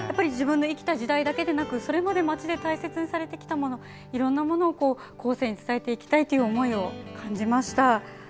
自分の生きた時代だけでなくそれまで町で大切にされてきたものいろんなものを後世に伝えていきたいという思いを感じました。